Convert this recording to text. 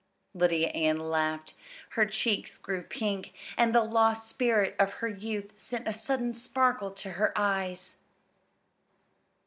Lydia Ann laughed. Her cheeks grew pink, and the lost spirit of her youth sent a sudden sparkle to her eyes.